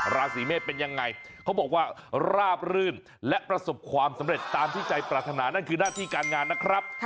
ราศีเมษเป็นยังไงเขาบอกว่าราบรื่นและประสบความสำเร็จตามที่ใจปรารถนานั่นคือหน้าที่การงานนะครับ